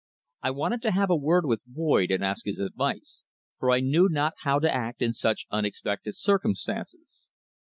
I wanted to have a word with Boyd and ask his advice, for I knew not how to act in such unexpected circumstances.